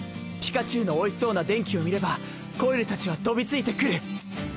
ピカチュウのおいしそうな電気を見ればコイルたちは飛びついてくる。